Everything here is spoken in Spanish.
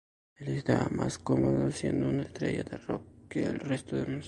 Él estaba más cómodo siendo una estrella de rock que el resto de nosotros.